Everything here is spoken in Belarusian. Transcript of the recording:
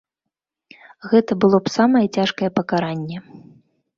Гэта было б самае цяжкае пакаранне.